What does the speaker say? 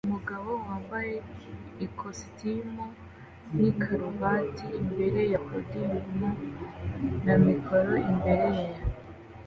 Umugabo wambaye ikositimu n'ikaruvati imbere ya podiyumu na mikoro imbere ye